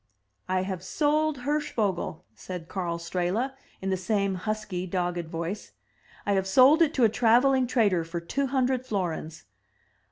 "I have sold Hirschvogel!" said Karl Strehla, in the same husky, dogged voice. " I have sold it to a traveling trader for two hundred florins.